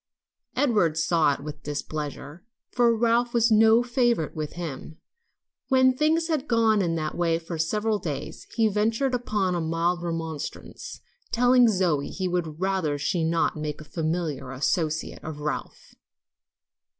Edward saw it with displeasure, for Ralph was no favorite with him. When things had gone on in that way for several days, he ventured upon a mild remonstrance, telling Zoe he would rather she would not make a familiar associate of Ralph.